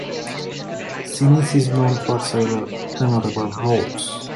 Sinise is known for several memorable roles.